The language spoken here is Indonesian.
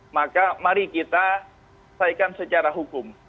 maka mari kita selesaikan secara hukum